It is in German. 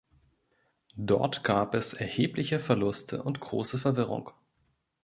Dort gab es erhebliche Verluste und große Verwirrung.